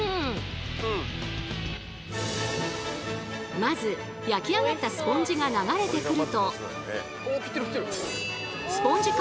まず焼き上がったスポンジが流れてくると３段！